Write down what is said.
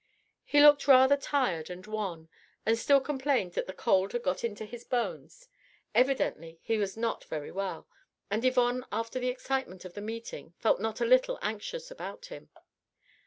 He looked rather tired and wan and still complained that the cold had got into his bones: evidently he was not very well and Yvonne after the excitement of the meeting felt not a little anxious about him.